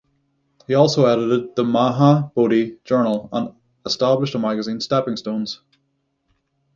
He also edited the "Maha Bodhi Journal" and established a magazine, "Stepping Stones".